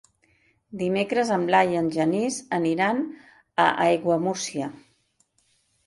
Dimecres en Blai i en Genís aniran a Aiguamúrcia.